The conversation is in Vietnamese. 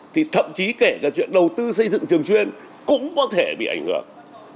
thì thậm chí kể cả chuyện đầu tư xây dựng trường chuyên cũng có thể bị ảnh hưởng